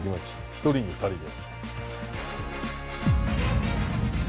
１人に２人で。